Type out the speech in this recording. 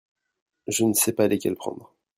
Je se sais pas lesquels prendre.